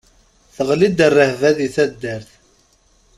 Teɣli-d rrehba di taddart.